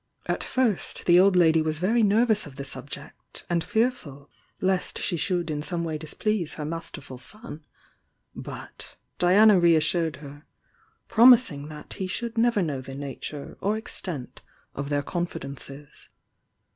At first the old lady was very "ervous of the subject, and fearful lest she should in some way displease her mas terful son, — but Diana reassured her, promising that he diould never know the nature or extent of ^eir confidences.